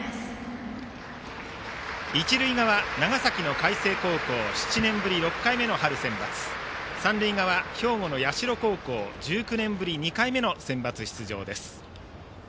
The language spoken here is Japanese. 一塁側、長崎の海星高校７年ぶり６回目の春センバツ三塁側、兵庫の社高校１９年ぶり２回目のセンバツ出場です。